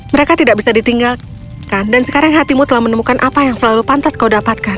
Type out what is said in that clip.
mereka tidak bisa ditinggalkan dan sekarang hatimu telah menemukan apa yang selalu pantas kau dapatkan